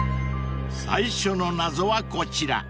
［最初の謎はこちら］